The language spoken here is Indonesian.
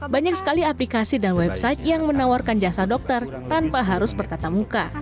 banyak sekali aplikasi dan website yang menawarkan jasa dokter tanpa harus bertata muka